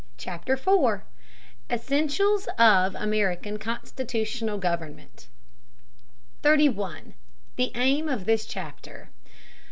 CHAPTER IV ESSENTIALS OF AMERICAN CONSTITUTIONAL GOVERNMENT 31. THE AIM OF THIS CHAPTER.